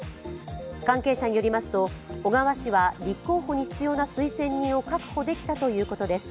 関係者によりますと小川氏は立候補に必要な推薦人を確保できたということです。